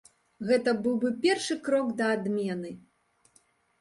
Гэта быў бы першы крок да адмены.